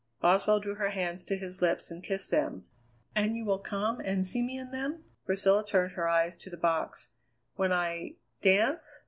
Boswell drew her hands to his lips and kissed them. "And you will come and see me in them" Priscilla turned her eyes to the box "when I dance?"